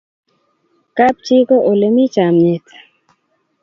kap chii ko ole mi chamiyet